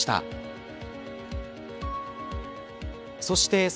そして。